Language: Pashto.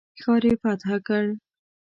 ښار یې فتح کړ.